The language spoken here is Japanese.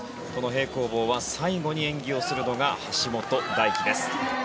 平行棒は最後に演技をするのが橋本大輝です。